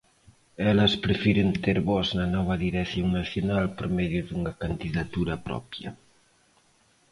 Elas prefiren ter voz na nova Dirección Nacional por medio dunha candidatura propia.